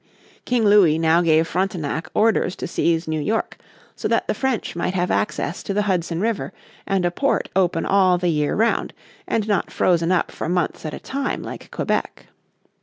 King Louis now gave Frontenac orders to seize New York so that the French might have access to the Hudson River, and a port open all the year round and not frozen up for months at a time like Quebec.